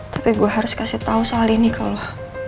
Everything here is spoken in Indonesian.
tapi gue harus kasih tau soal ini ke lo